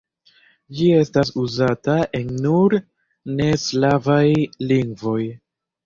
Ĝi estas uzata en nur ne slavaj lingvoj.